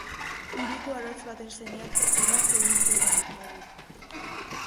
Hiriko arotz baten semeak emazte egin zuen handik labur.